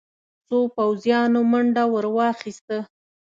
څو پوځيانو منډه ور واخيسته.